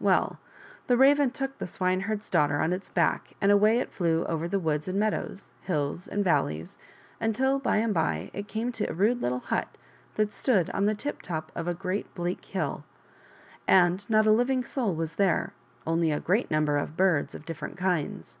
Well, the Raven took the swineherd's daughter on its back and away it flew over woods and meadows, hills and valleys, until by and by it came to a rude little hut that stood on the tip top of a great bleak hill. And not a living soul was there, only a great number of birds of different kinds.